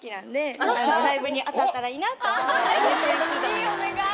いいお願い。